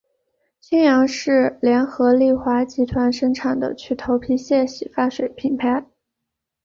清扬是联合利华集团生产的去头皮屑洗发水品牌。